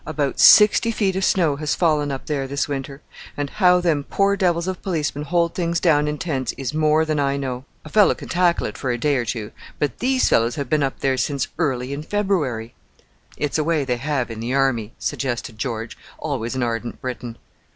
About sixty feet of snow has fallen up there this winter; and how them poor devils of policemen hold things down in tents is more than I know. A fellow can tackle it for a day or two, but these fellows have been up there since early in February!" "It's a way they have in the Army," suggested George, always an ardent Briton.